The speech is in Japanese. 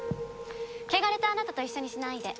汚れたあなたと一緒にしないで。